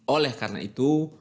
oleh karena itu